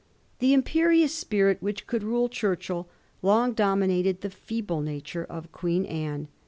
The imperious spirit which could rule Churchill long dominated the feeble nature of Queen Anne.